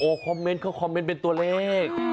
คอมเมนต์เขาคอมเมนต์เป็นตัวเลข